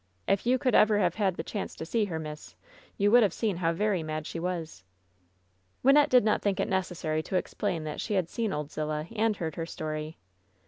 If you could ever have had the chance to see her, miss, you would have seen how very mad she was." Wynnette did not think it necessary to explain that she had seen Old Zillah and heard her story.